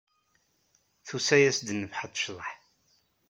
Tusa-yas-d nnefḥa ad tecḍeḥ.